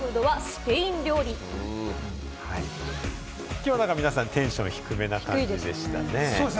きょう皆さん、テンション低めな感じでしたね。